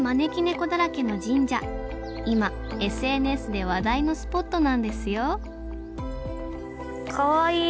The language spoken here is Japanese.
今ＳＮＳで話題のスポットなんですよかわいい！